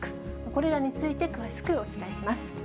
これらについて詳しくお伝えします。